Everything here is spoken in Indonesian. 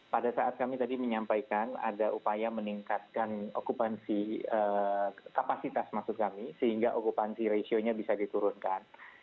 pada saat kami tadi menyampaikan ada upaya meningkatkan okupansi kapasitas maksud kami sehingga okupansi ratio nya bisa diturunkan